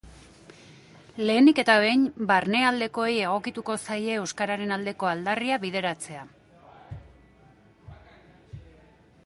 Lehenik eta behin, barnealdekoei egokituko zaie euskararen aldeko aldarria bideratzea.